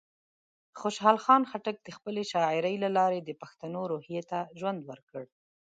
خوشحال خان خټک د خپلې شاعرۍ له لارې د پښتنو روحیه ته ژوند ورکړ.